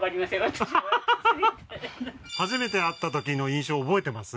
初めて会ったときの印象覚えてます？